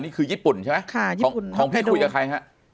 นี่คือญี่ปุ่นใช่ไหม